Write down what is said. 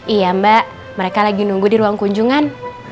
iya mbak mereka lagi nunggu di ruang kunjungan